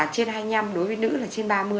trên hai mươi năm đối với nữ là trên ba mươi